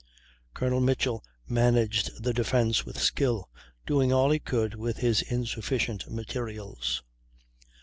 Colonel Mitchell managed the defence with skill, doing all he could with his insufficient materials.